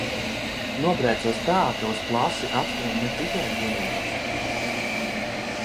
Nobrēcos tā, ka uz klasi atskrien ne tikai juniors.